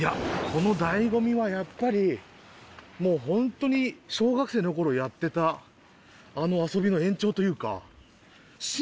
この醍醐味はやっぱりもうホントに小学生の頃やってたあの遊びの延長というか。